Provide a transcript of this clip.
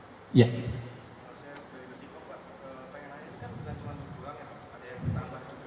ada yang bertambah juga